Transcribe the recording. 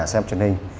xem truyền hình